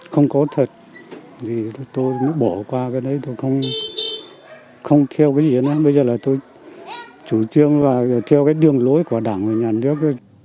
không có thật thì tôi nó bỏ qua cái đấy tôi không theo cái diễn bây giờ là tôi chủ trương và theo cái đường lối của đảng và nhà nước